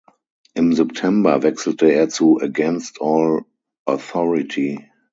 Im September wechselte er zu "against All authority".